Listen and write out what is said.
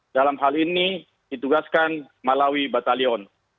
dalam hal ini ditugaskan malawi batalion